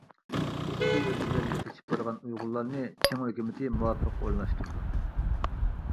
ئىچكى ئۆلكىلەرگە قېچىپ بارغان ئۇيغۇرلارنى چىڭ ھۆكۈمىتى مۇۋاپىق ئورۇنلاشتۇرىدۇ.